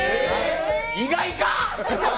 意外か？